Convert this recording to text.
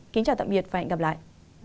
xin chào tạm biệt và hẹn gặp lại